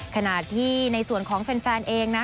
ขณะที่ในส่วนของแฟนเองนะ